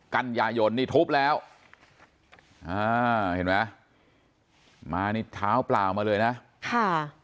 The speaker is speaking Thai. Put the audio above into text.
กันยายนนี่ทุบแล้วอ่าเห็นไหมมานี่เท้าเปล่ามาเลยนะค่ะ